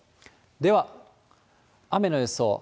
では、雨の予想。